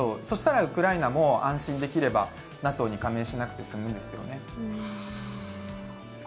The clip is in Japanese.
そしたらウクライナも安心できればＮＡＴＯに加盟しなくて済むんですよね。